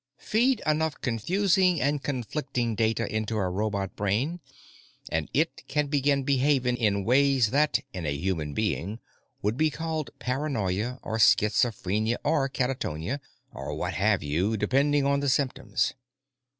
Feed enough confusing and conflicting data into a robot brain, and it can begin behaving in ways that, in a human being, would be called paranoia or schizophrenia or catatonia or what have you, depending on the symptoms.